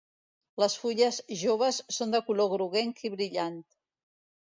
Les fulles joves són de color groguenc i brillant.